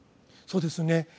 そうですね。